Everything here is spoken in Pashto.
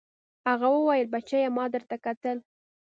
هغه وويل بچيه ما درته کتل.